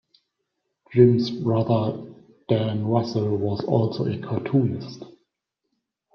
Jim's brother Dan Russell was also a cartoonist.